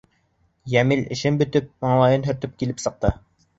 Йәмил эшен бөтөп, маңлайын һөртөп килеп сыҡты.